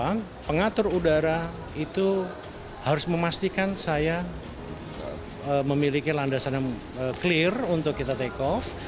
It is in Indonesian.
karena pengatur udara itu harus memastikan saya memiliki landasan clear untuk kita take off